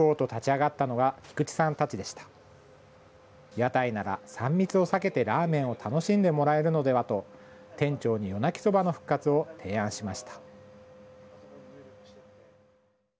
屋台なら３密を避けてラーメンを楽しんでもらえるのではと店長に夜鳴きそばの復活を提案しました